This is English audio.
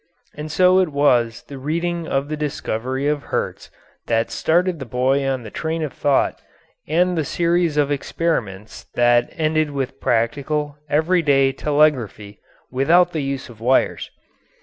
And so it was the reading of the discovery of Hertz that started the boy on the train of thought and the series of experiments that ended with practical, everyday telegraphy without the use of wires.